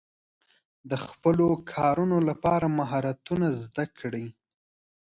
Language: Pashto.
د خپلو کارونو لپاره مهارتونه زده کړئ.